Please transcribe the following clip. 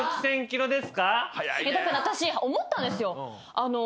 だから私思ったんですよ。